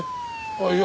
ああいや